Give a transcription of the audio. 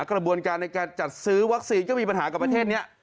กระบวนการในการจัดซื้อวัคซีนก็มีปัญหากับประเทศนี้